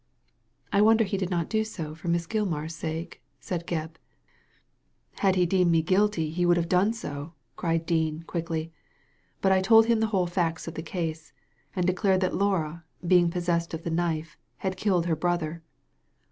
I wonder he did not do so for Miss Gilmar's sake," said Gebb. " Had he deemed me guilty he would have done so," cried Dean, quickly ;" but I told him the whole facts of the case, and declared that Laura, being possessed of the knife, had killed her brother.